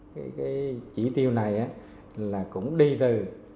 cái chỉ tiêu này là cũng đi từ